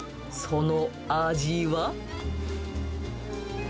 その味は。